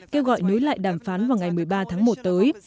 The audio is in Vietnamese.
kêu gọi nối lại đàm phán vào ngày một mươi ba tháng một tới